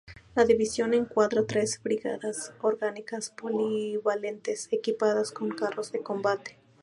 La división encuadra tres brigadas orgánicas polivalentes equipadas con carros de combate.